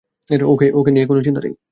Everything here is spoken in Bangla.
ওকে নিয়ে চিন্তা নেই।